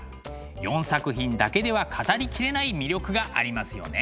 ４作品だけでは語りきれない魅力がありますよね。